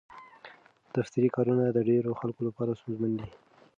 دفتري کارونه د ډېرو خلکو لپاره ستونزمن دي.